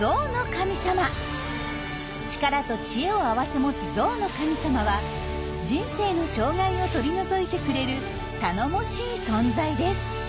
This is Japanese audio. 力と知恵を併せ持つゾウの神様は人生の障害を取り除いてくれる頼もしい存在です。